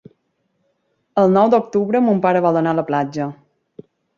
El nou d'octubre mon pare vol anar a la platja.